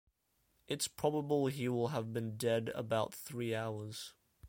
It's probable he will have been dead about three hours.